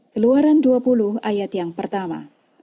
keluaran dua puluh ayat yang pertama